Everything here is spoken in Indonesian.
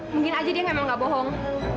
mungkin aja dia emang gak bohong